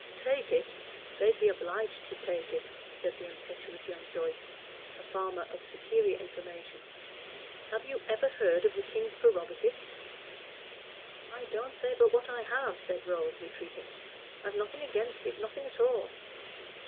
"Take it! they'd be obliged to take it," said the impetuous young Joyce, a farmer of superior information. "Have you ever heard of the king's prerogative?" "I don't say but what I have," said Rose, retreating. "I've nothing against it nothing at all."